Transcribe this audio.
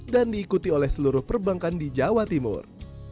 dan diikuti oleh seluruh perbankan di jawa timur